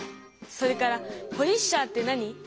それから「ポリッシャーってなに？」。